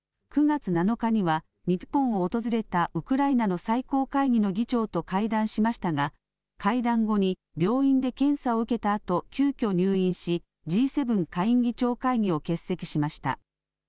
９月７日には日本を訪れたウクライナの最高会議の議長と会談しましたが会談後に病院で検査を受けたあと急きょ、入院しＧ７下院議長会議を欠席しました。